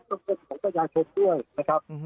ผมคิดว่าก็เป็นภารกิจของสรรพยาชนด้วยนะครับ